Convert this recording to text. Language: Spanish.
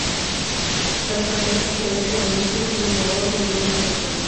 La localidad pertenece a la Diócesis de Morón de la Iglesia católica.